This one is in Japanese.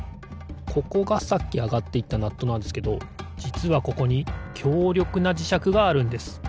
ここがさっきあがっていったナットなんですけどじつはここにきょうりょくなじしゃくがあるんです。